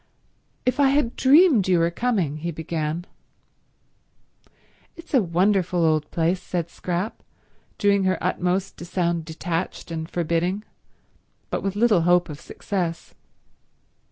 "If I had dreamed you were coming—" he began. "It's a wonderful old place," said Scrap, doing her utmost to sound detached and forbidding, but with little hope of success.